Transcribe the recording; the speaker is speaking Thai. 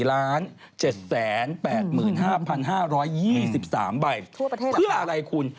ทั่วประเทศหรือเปล่าครับเพื่ออะไรคุณ